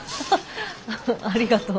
あありがとう。